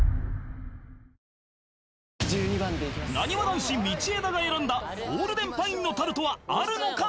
男子道枝が選んだゴールデンパインのタルトはあるのか？